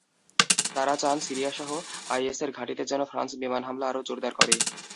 তারা চান সিরিয়াসহ আইএসের ঘাঁটিতে যেন ফ্রান্স বিমান হামলা আরও জোরদার করে।